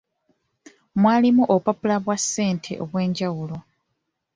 Mwalimu obupapula bwa ssente obw'enjawulo.